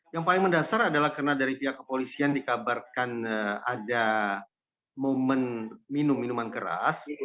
yang paling mendasar adalah karena dari pihak kepolisian dikabarkan ada momen minum minuman keras